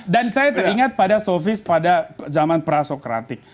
dan saya teringat pada sofis pada zaman prasokratik